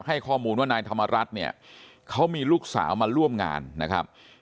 ให้ข้อมูลว่านายธรรมรัฐเนี่ยเขามีลูกสาวมาร่วมงานนะครับ